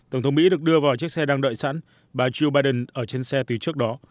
tổng thống mỹ được đưa vào chiếc xe đang đợi sẵn bà joe biden ở trên xe từ trước đó